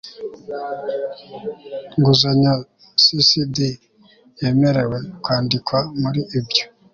nguzanyo CSD yemerewe kwandikwa muri ibyo